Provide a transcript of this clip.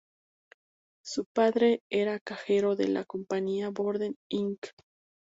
Su padre era cajero de la compañía Borden, Inc.